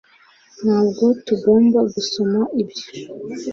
ntabwo tugomba gusoma ibyo